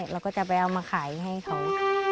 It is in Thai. เราก็จะไปเอามาขายให้เขา